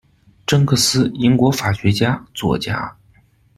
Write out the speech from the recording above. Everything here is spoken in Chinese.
甄克斯英国法学家、作家。